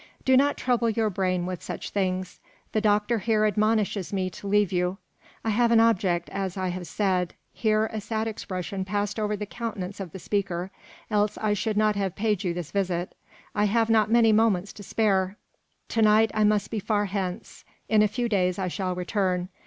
"Do not trouble your brain with these things. The doctor here admonishes me to leave you. I have an object, as I have said," (here a sad expression passed over the countenance of the speaker), "else I should not have paid you this visit. I have not many moments to spare. To night I must be far hence. In a few days I shall return.